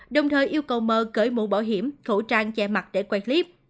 đồng thời yêu cầu m h cởi mũ bảo hiểm khẩu trang che mặt để quay clip